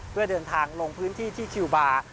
เพื่อเดินทางลงพื้นที่ที่คิวบาร์